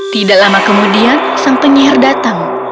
tidak lama kemudian sang penyihir datang